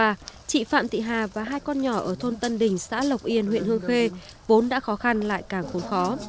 trong trận lũ vừa qua chị phạm thị hà và hai con nhỏ ở thôn tân đình xã lộc yên huyện hương khê vốn đã khó khăn lại càng khốn khó